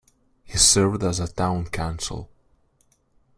He served as a town councillor.